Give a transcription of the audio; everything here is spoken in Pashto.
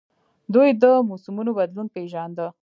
دوی د موسمونو بدلون پیژانده